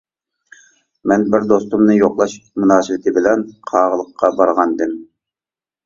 مەن بىر دوستۇمنى يوقلاش مۇناسىۋىتى بىلەن قاغىلىققا بارغانىدىم.